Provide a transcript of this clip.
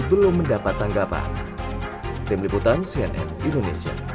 belum mendapat tanggapan